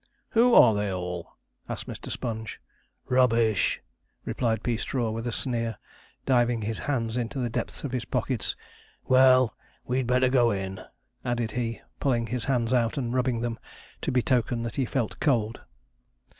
'Who are they all?' asked Mr. Sponge. 'Rubbish!' replied Peastraw with a sneer, diving his hands into the depths of his pockets. 'Well, we'd better go in,' added he, pulling his hands out and rubbing them, to betoken that he felt cold.